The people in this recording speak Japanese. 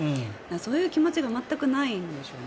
そういう気持ちが全くないんでしょうね。